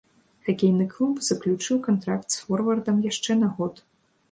Хакейны клуб заключыў кантракт з форвардам яшчэ на год.